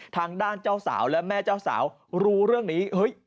ทางด้านเจ้าสาวและแม่เจ้าสาวรู้เรื่องนี้